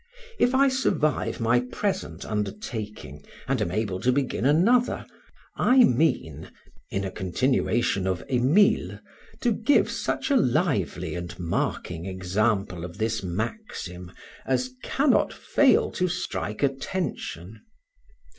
If I survive my present undertaking, and am able to begin another, I mean, in a continuation of Emilius, to give such a lively and marking example of this maxim as cannot fail to strike attention.